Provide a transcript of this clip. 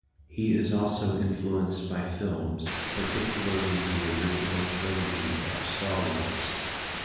He is also influenced by films, particularly the original trilogy of "Star Wars".